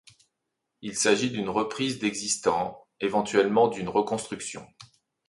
Il s’agit d’une reprise d’existant, éventuellement d’une reconstruction.